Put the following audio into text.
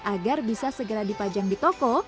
agar bisa segera dipajang di toko